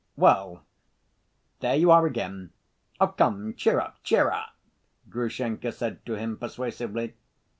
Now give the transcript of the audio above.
"Well, there you are again.... Come, cheer up, cheer up!" Grushenka said to him persuasively.